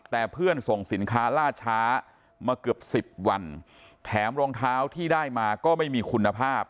แต่เพื่อนส่งสินค้าล่าช้ามาเกือบสิบวันแถมรองเท้าที่ได้มาก็ไม่มีคุณภาพ